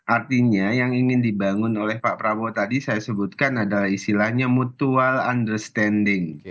artinya yang ingin dibangun oleh pak prabowo tadi saya sebutkan adalah istilahnya mutual understanding